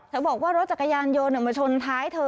บอกว่ารถจักรยานยนต์มาชนท้ายเธอ